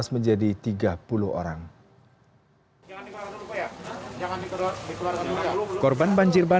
jangan dikeluarkan juga